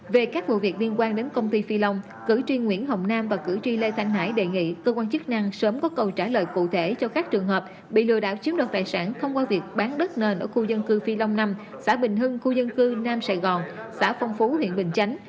về các vụ việc liên quan đến công ty phi long cử tri nguyễn hồng nam và cử tri lê thanh hải đề nghị cơ quan chức năng sớm có câu trả lời cụ thể cho các trường hợp bị lừa đảo chiếm đoạt tài sản thông qua việc bán đất nền ở khu dân cư phi long năm xã bình hưng khu dân cư nam sài gòn xã phong phú huyện bình chánh